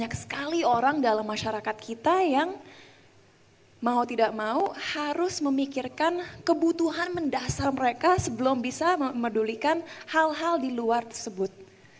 banyak sekali orang dalam masyarakat kita yang mau tidak mau harus memikirkan kebutuhan mendasar mereka sebelum bisa mendulikan hal hal di luar tersebut